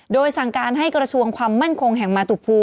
มีสารตั้งต้นเนี่ยคือยาเคเนี่ยใช่ไหมคะ